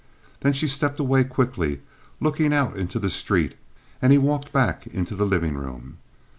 Then she stepped away quickly, looking out into the street, and he walked back into the living room.